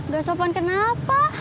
gak sopan kenapa